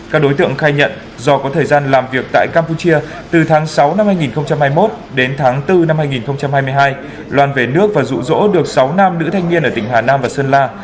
các đối tượng khai nhận do có thời gian làm việc tại campuchia từ tháng sáu năm hai nghìn hai mươi một đến tháng bốn năm hai nghìn hai mươi hai loan về nước và rụ rỗ được sáu nam nữ thanh niên ở tỉnh hà nam và sơn la